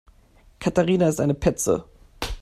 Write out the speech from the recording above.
Katharina ist eine Petze.